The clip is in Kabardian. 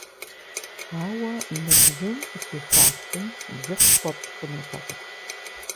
Ауэ мы бзум къыхиха хъум дзыхь хуэпщӀ хъунутэкъым.